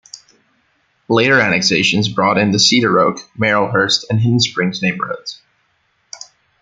Later annexations brought in the Cedaroak, Marylhurst and Hidden Springs neighborhoods.